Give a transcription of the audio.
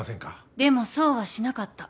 でもそうはしなかった。